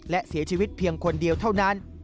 และเสียชีวิตเพียงคนเดียวเท่านั้น